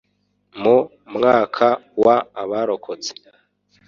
mu mwaka wa abarokotse